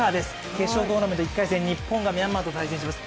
決勝トーナメント１回戦、日本がミャンマーと対戦します。